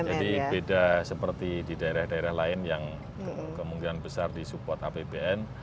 jadi beda seperti di daerah daerah lain yang kemungkinan besar di support apbn